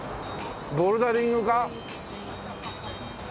ボルダリングか？